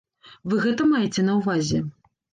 Вы гэта маеце на ўвазе?